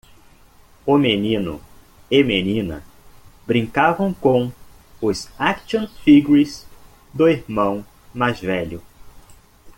O menino e menina brincavam com os action figures do irmão mais velho.